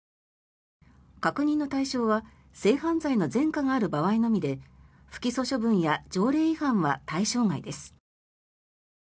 確認の対象は性犯罪の前科がある場合のみで不起訴処分や条例違反は対象外です。